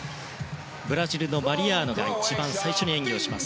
ブラジルのマリアーノが一番最初に演技をします。